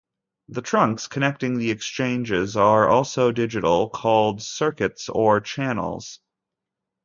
The trunks connecting the exchanges are also digital, called circuits or channels.